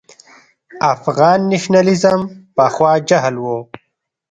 افغان نېشنلېزم پخوا جهل و.